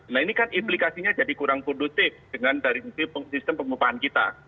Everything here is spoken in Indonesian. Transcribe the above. nah ini kan implikasinya jadi kurang produktif dengan dari sistem pengupahan kita